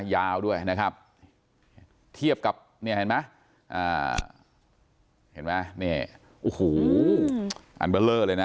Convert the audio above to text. ยาวด้วยนะครับเทียบกับเนี่ยเห็นไหมเห็นไหมนี่โอ้โหอันเบอร์เลอร์เลยนะ